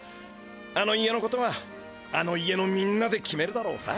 あの家のことはあの家のみんなで決めるだろうさ。